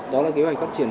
đó là kế hoạch phát triển